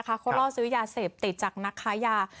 เขาล่อซื้อยาเสพติดจากนักค้ายา